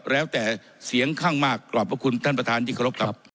แล้วแต่เสียงข้างมากกรอบบุคคุณท่านประธานจิตครบ